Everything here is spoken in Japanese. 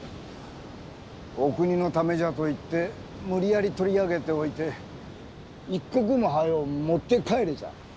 お国のためじゃといって無理やり取り上げておいて一刻も早う持って帰れじゃ。